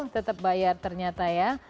tetap bayar ternyata ya